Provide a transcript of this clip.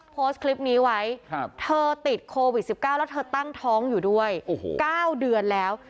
โพสต์คลิปนี้ไว้เธอติดโควิด๑๙แล้วเธอตั้งท้องอยู่ด้วย๙เดือนแล้ว